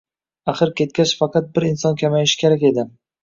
Axir ketgach faqat bir inson kamayishi kerak edi